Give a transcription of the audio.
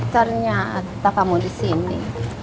ternyata kamu disini